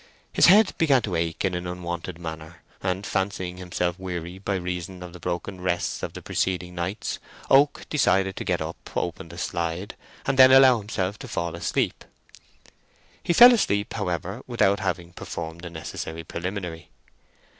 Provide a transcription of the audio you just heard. His head began to ache in an unwonted manner, and, fancying himself weary by reason of the broken rests of the preceding nights, Oak decided to get up, open the slide, and then allow himself to fall asleep. He fell asleep, however, without having performed the necessary preliminary.